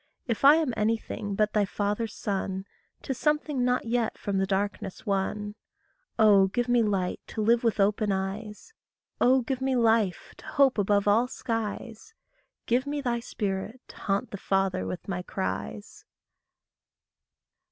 If I am anything but thy father's son, 'Tis something not yet from the darkness won. Oh, give me light to live with open eyes. Oh, give me life to hope above all skies. Give me thy spirit to haunt the Father with my cries.